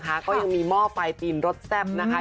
เพราะยังมีหม้อไฟตีนรสแซ่บนะคะ